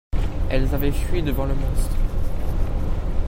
elles avaient fui devant le monstre.